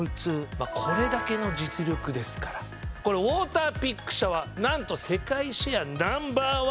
まっこれだけの実力ですからこれウォーターピック社は何と。